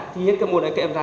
thì hết cái môn đấy các em ra